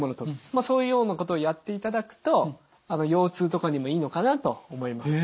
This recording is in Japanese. まあそういうようなことをやっていただくと腰痛とかにもいいのかなと思います。